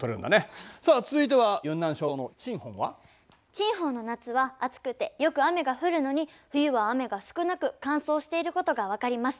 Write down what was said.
チンホンの夏は暑くてよく雨が降るのに冬は雨が少なく乾燥していることが分かります。